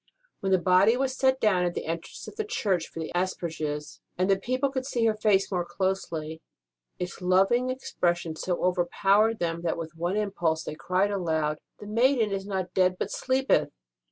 When the body was set down at the entrance of the church for the asperges, and people could see her face more closely, its loving expression so overpowered them that with one impulse they cried aloud : This maiden is not dead, but sleepeth